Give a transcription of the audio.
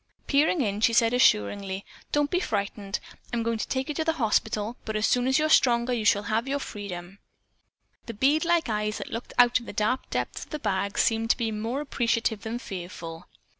Peering in, she said assuringly, "Don't be frightened. I'm going to take you to the hospital, but as soon as you are stronger, you shall have your freedom." The bead like eyes that looked up out of the dark depths of the bag seemed to be more appreciative than fearful.